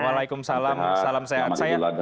waalaikumsalam salam sehat